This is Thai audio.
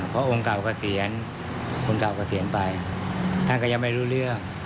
เพราะองค์เก่ากัทเสียร์ทางกะย่าไม่รู้เรื่อง